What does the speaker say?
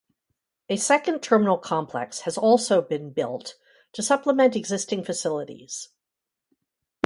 A second terminal complex has also been built to supplement existing facilities.